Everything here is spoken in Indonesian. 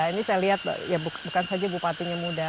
ini saya lihat ya bukan saja bupatinya muda